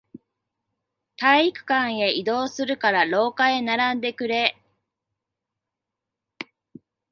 体育館へ移動するから、廊下へ並んでくれ。